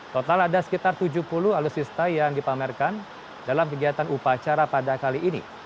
total ada sekitar tujuh puluh alutsista yang dipamerkan dalam kegiatan upacara pada kali ini